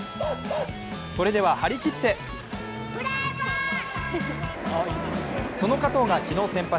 それでは、張り切ってその加藤が昨日、先発。